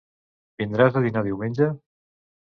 vindràs a dinar diumenge?